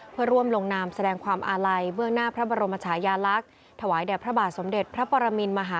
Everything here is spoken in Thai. เพื่อร่วมลงนามแสดงความอาลัยเบื้องหน้าพระบรมชายาลักษณ์